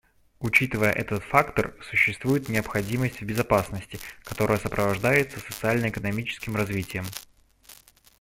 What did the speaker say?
Учитывая этот фактор, существует необходимость в безопасности, которая сопровождается социально-экономическим развитием.